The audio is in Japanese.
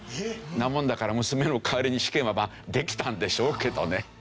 なもんだから娘の代わりに試験はできたんでしょうけどね。